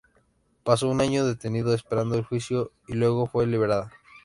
Paso un año detenida esperando el juicio y luego fue liberada.